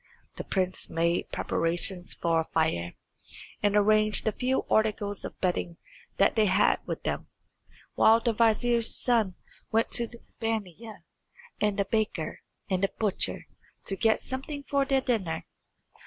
The prince made preparations for a fire, and arranged the few articles of bedding that they had with them, while the vizier's son went to the baniya and the baker and the butcher to get something for their dinner.